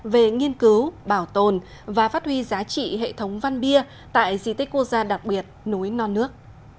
về nghiên cứu bảo tồn và phát huy giá trị hệ thống văn bia tại di tích quốc gia đặc biệt núi non nước